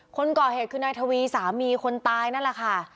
คนก่อเหตุคือนายทวีสามีคนตายนั่นแหละค่ะ